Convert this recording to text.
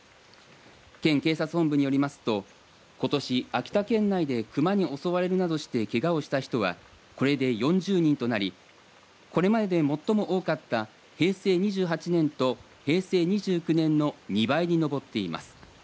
県警察本部によりますとことし、秋田県内で熊に襲われるなどしてけがをした人はこれで４０人となりこれまでで最も多かった平成２８年と平成２９年の２倍に上っています。